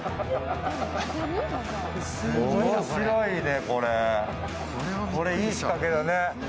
面白いね、これ、いい仕掛けだね。